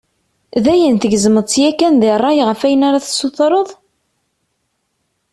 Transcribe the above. D ayen tgezmeḍ-tt yakan di ṛṛay ɣef wayen ara tessutred?